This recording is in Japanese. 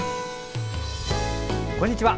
こんにちは。